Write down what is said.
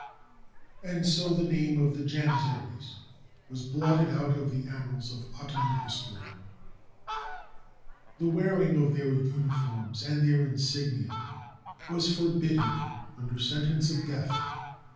And so the name of the Janizaries was blotted out of the annals of Ottoman history. 527 TURKEY The wearing of their uniforms and their insignia was forbidden under sentence of death.